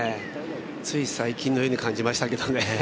つい最近のように感じましたけどね。